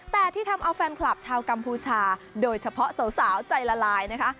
แต่ที่ทำเอาแฟนคลับชาวกัมพูชาโดยเฉพาะสาวใจละลายนะคะ